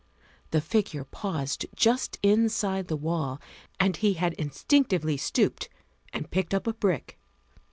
The figure paused just inside the wall and he had instinctively stooped and picked up a brick.